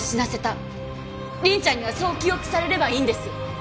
凛ちゃんにはそう記憶されればいいんです。